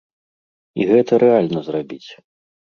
І гэта рэальна зрабіць.